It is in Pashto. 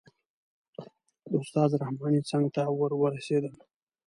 د استاد رحماني څنګ ته ور ورسېدم.